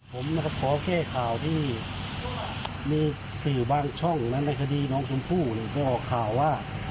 ผมขอแค่ข่าวที่มีสื่อบางช่องในคดีน้องชมพู่ไปออกข่าวว่า